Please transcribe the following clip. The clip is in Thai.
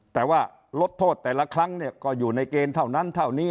แต่ว่าลดโทษแต่ละครั้งเนี่ยก็อยู่ในเกณฑ์เท่านั้นเท่านี้